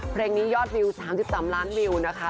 เพลงนี้ยอดวิว๓๓ล้านวิวนะคะ